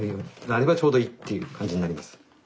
なればちょうどいいっていう感じになります。